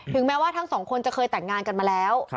แม้ว่าทั้งสองคนจะเคยแต่งงานกันมาแล้ว